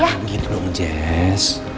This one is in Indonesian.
jangan gitu dong jess